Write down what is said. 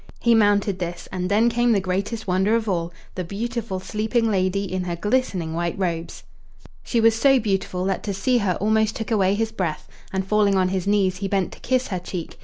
He mounted this, and then came the greatest wonder of all the beautiful sleeping lady, in her glistening white robes. She was so beautiful that to see her almost took away his breath; and, falling on his knees, he bent to kiss her cheek.